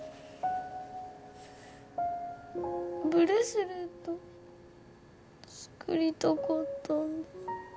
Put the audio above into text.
ブレスレット作りたかったんだ。